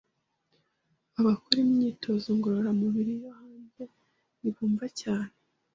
Abakora imyitozo ngororamubiri yo hanze ntibumva cyane